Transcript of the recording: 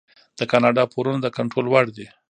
د کاناډا پورونه د کنټرول وړ دي.